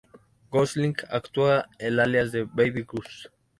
Gosling actúa bajo el alias de "Baby Goose".